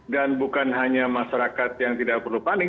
dan bukan hanya masyarakat yang tidak perlu panik